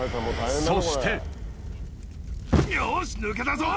そしてよし抜けたぞ。